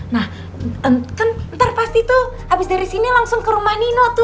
nah kan ntar pasti tuh habis dari sini langsung ke rumah nino tuh